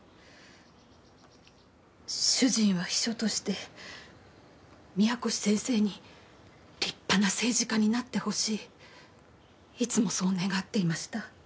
主人は秘書として宮越先生に立派な政治家になってほしいいつもそう願っていました。